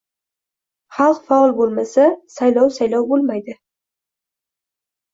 Xalq faol bo‘lmasa saylov saylov bo‘lmaydi